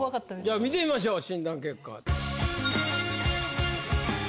じゃあ見てみましょう診断結果。